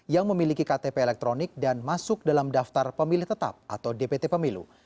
yang memiliki ktp elektronik dan masuk dalam daftar pemilih tetap atau dpt pemilu